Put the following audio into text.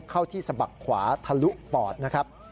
เข้าที่สะบักขวาทะลุปอดนะครับ